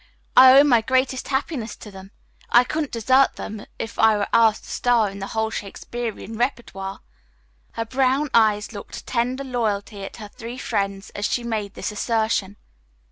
"I owe my greatest happiness to them. I couldn't desert them if I were asked to star in the whole Shakesperian repertoire." Her brown eyes looked tender loyalty at her three friends as she made this assertion.